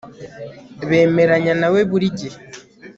bemeranya na we burigihe